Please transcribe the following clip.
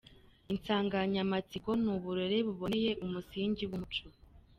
Insanganyamatsiko ni : “Uburere buboneye, umusingi w’Umuco.”